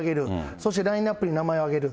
そしてラインナップに名前を挙げる。